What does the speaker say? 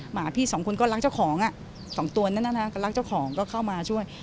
หมาพี่สองคนก็รักเจ้าของสองตัวนั้นนะฮะก็รักเจ้าของก็เข้ามาช่วย